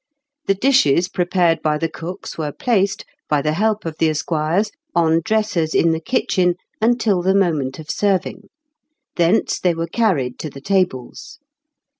The dishes prepared by the cooks were placed, by the help of the esquires, on dressers in the kitchen until the moment of serving. Thence they were carried to the tables.